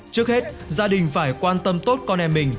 trước hết gia đình phải quan tâm tốt con em mình